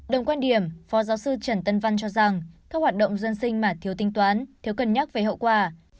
đồng quan điểm phó giáo sư trần tân văn cho rằng các hoạt động dân sinh mà thiếu tính toán thiếu cân nhắc về hậu quả